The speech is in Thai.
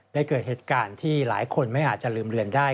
เกิดเหตุการณ์ที่หลายคนไม่อาจจะลืมเลือนได้